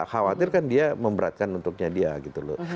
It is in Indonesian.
khawatir kan dia memberatkan untuknya dia gitu loh